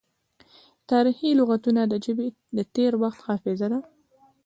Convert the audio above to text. تاریخي لغتونه د ژبې د تیر وخت حافظه ده.